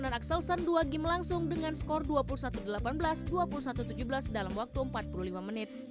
axelsen dua game langsung dengan skor dua puluh satu delapan belas dua puluh satu tujuh belas dalam waktu empat puluh lima menit